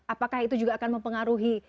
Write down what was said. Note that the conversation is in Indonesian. apakah itu juga akan mempengaruhi